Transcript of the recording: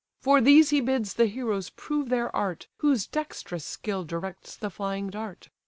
For these he bids the heroes prove their art, Whose dexterous skill directs the flying dart.